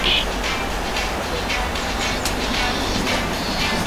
Wanyama wenye dalili za majimoyo hukosa hamu ya kula